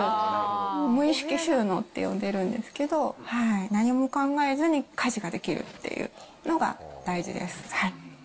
無意識収納って呼んでるんですけど、何も考えずに家事ができるっていうのが大事です。